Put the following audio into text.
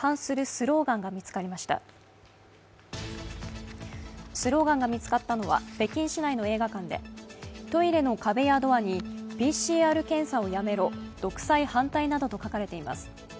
スローガンが見つかったのは北京市内の映画館でトイレの壁やドア、ＰＣＲ検査をやめろ、独裁反対などと書かれています。